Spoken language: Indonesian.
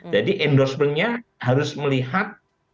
jadi endorsementnya harus melihat